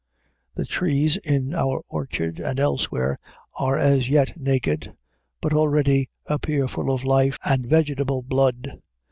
The trees in our orchard and elsewhere are as yet naked, but already appear full of life and vegetable blood.